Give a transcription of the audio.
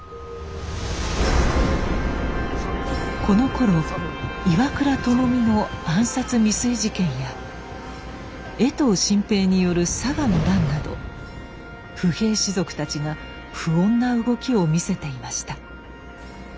このころ岩倉具視の暗殺未遂事件や江藤新平による佐賀の乱など不平士族たちが不穏な動きを見せていました。